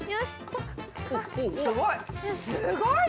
すごい。